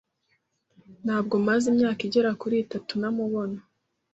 Ntabwo maze imyaka igera kuri itatu ntamubona.